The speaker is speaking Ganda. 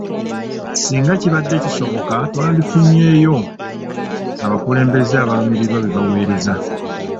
Ssinga kibadde kisoboka twandifunyeeyo abakulembeze abalumirirwa be baweereza.